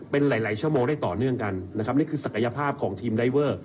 เป็นหลายชั่วโมงได้ต่อเนื่องกันนะครับนี่คือศักยภาพของทีมไดเวอร์